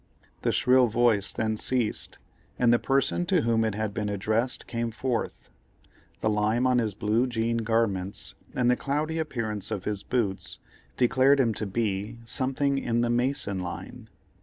The shrill voice then ceased, and the person to whom it had been addressed came forth. The lime on his blue jean garments, and the cloudy appearance of his boots, declared him to be something in the mason line.